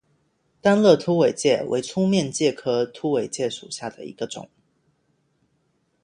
单肋凸尾介为粗面介科凸尾介属下的一个种。